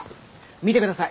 見てください